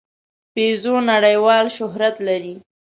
پيژو نړۍوال شهرت لري.